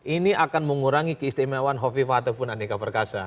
ini akan mengurangi keistimewaan hovi vatopun aneka perkasa